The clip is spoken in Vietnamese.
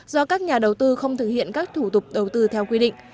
do các nhà đầu tư không thực hiện các thủ tục đầu tư theo quy định